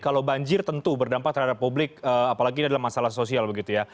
kalau banjir tentu berdampak terhadap publik apalagi ini adalah masalah sosial begitu ya